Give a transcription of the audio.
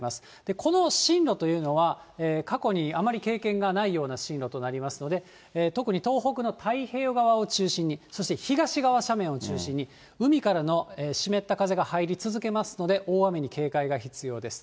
この進路というのは、過去にあまり経験がないような進路となりますので、特に東北の太平洋側を中心、そして東側斜面を中心に、海からの湿った風が入り続けますので、大雨に警戒が必要です。